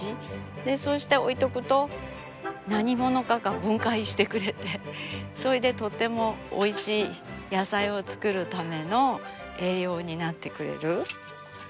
そうして置いておくと何者かが分解してくれてそれでとってもおいしい野菜を作るための栄養になってくれる。